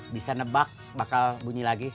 bisa nebak bakal bunyi lagi